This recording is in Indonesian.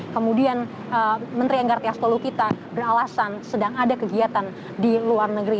kemudian menteri enggartia stolokita beralasan sedang ada kegiatan di luar negeri